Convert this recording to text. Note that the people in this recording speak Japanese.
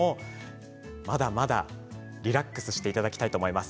まだまだリラックスしていただきたいと思います。